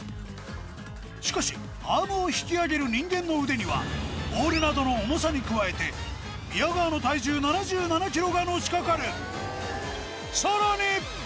しかしアームを引き上げる人間の腕にはボールなどの重さに加えて宮川の体重７７キロがのしかかるさらに！